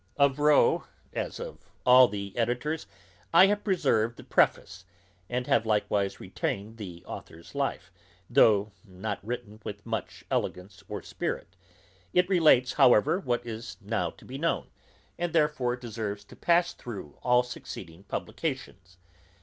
Of Rowe, as of all the editors, I have preserved the preface, and have likewise retained the authour's life, though not written with much elegance or spirit; it relates however what is now to be known, and therefore deserves to pass through all succeeding publications.